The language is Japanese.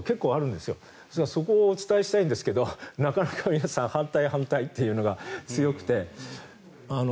ですからそこをお伝えしたいんですがなかなか皆さん反対、反対というのが強くて。